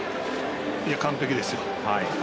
完璧ですよ。